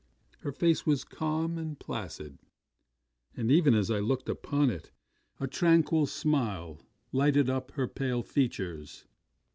Her face was calm and placid; and even as I looked upon it, a tranquil smile lighted up her pale features.